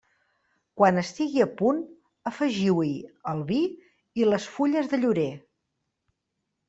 Quan estigui a punt, afegiu-hi el vi i les fulles de llorer.